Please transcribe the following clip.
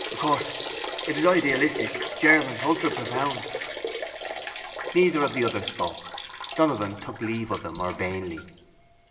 Of course it is idealistic, German, ultra profound. Neither of the others spoke. Donovan took leave of them urbanely.